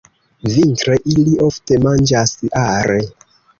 Vintre ili ofte manĝas are.